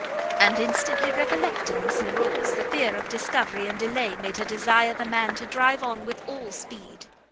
and instantly recollecting Miss Larolles, the fear of discovery and delay made her desire the man to drive on with all speed.